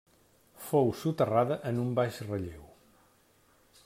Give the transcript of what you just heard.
Fou soterrada en un baix relleu.